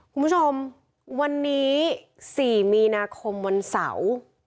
คุณผู้ชมวันนี้๔มีนาคมวันเสาร์